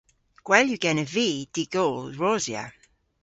Gwell yw genev vy dy'gol rosya.